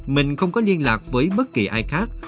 mình không có liên lạc với bất kỳ ai khác